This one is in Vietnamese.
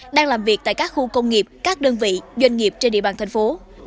đang làm việc tại các khu công nghiệp các đơn vị doanh nghiệp trên địa bàn thành phố